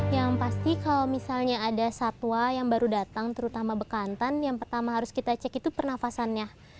yang pasti kalau misalnya ada satwa yang baru datang terutama bekantan yang pertama harus kita cek itu pernafasannya